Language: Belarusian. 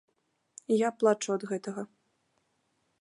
Я плачу ад гэтага.